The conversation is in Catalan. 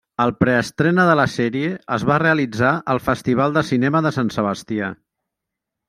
El preestrena de la sèrie es va realitzar al Festival de Cinema de Sant Sebastià.